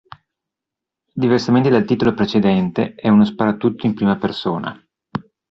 Diversamente dal titolo precedente, è uno sparatutto in prima persona.